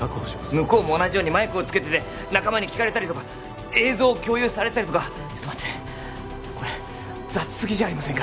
向こうも同じようにマイクをつけてて仲間に聞かれたりとか映像を共有されたりとかちょっと待ってこれ雑すぎじゃありませんか？